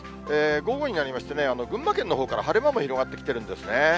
午後になりまして、群馬県のほうから晴れ間も広がってきてるんですね。